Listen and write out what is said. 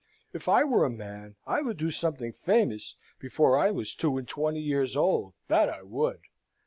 If I were a man, I would do something famous before I was two and twenty years old, that I would!